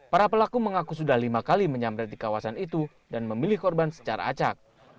para pelaku mengaku sudah lima kali menyambret di kawasan itu dan memilih korban secara acak